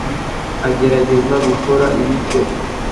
agerageza gukora ibice